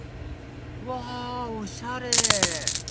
うわおしゃれ！